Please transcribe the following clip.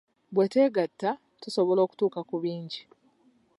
Bwe twegatta, tusobola okutuuka ku bingi.